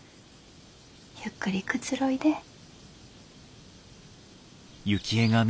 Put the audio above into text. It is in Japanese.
ゆっくりくつろいで。